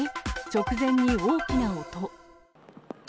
直前に大きな音。